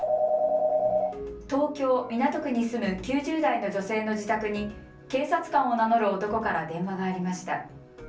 東京港区に住む９０代の女性の自宅に警察官を名乗る男から電話がありました。